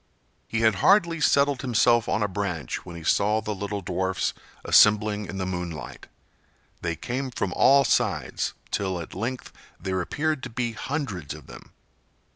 He had hardly settled himself on a branch when he saw the little dwarfs assembling in the moonlight. They came from all sides, till at length there appeared to be hundreds of them.